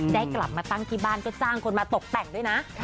ได้กลับมาตั้งที่บ้านก็จ้างคนมาตกแต่งด้วยนะ